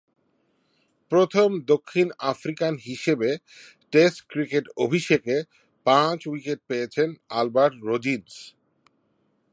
প্রথম দক্ষিণ আফ্রিকান হিসেবে টেস্ট ক্রিকেট অভিষেকে পাঁচ-উইকেট পেয়েছেন আলবার্ট রোজ-ইন্স।